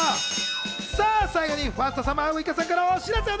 最後にファーストサマーウイカさんからお知らせ。